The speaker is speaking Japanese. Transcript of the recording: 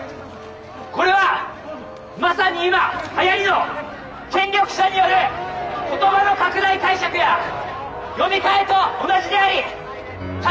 これはまさに今はやりの権力者による言葉の拡大解釈や読み替えと同じであり大変危険だと感じています！